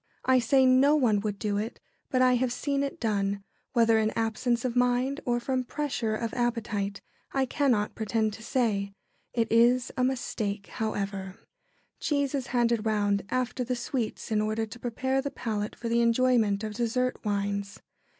I say "no one" would do it, but I have seen it done, whether in absence of mind or from pressure of appetite I cannot pretend to say. It is a mistake, however. [Sidenote: Sweets and cheese.] Cheese is handed round after the sweets in order to prepare the palate for the enjoyment of dessert wines.